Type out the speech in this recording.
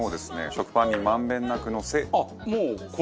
食パンに満遍なくのせ。